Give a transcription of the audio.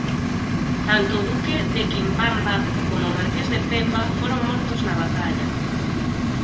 Tanto o duque de Quimbamba como o marqués de Pemba foron mortos na batalla.